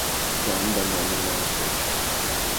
Drawn by Norman Mansbridge.